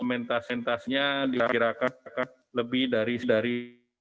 dua ribu dua mentas entasnya dirakak lebih dari dari